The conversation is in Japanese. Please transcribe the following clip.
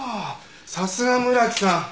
さすが村木さん。